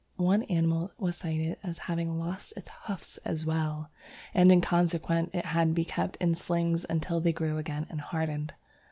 One animal was cited as having lost its hoofs as well, and in consequence it had to be kept in slings until they grew again and hardened.